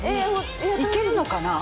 いけるのかな？